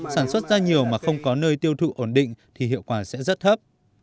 sản xuất ra nhiều mà không có nơi tiêu thụ ổn định thì hiệu quả sẽ rất thấp